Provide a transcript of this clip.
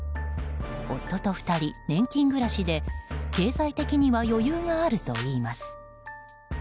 夫と２人、年金暮らしで経済的には余裕があるといいます。